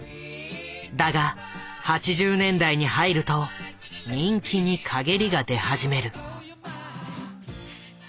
だが８０年代に入ると人気にかげりが出始める。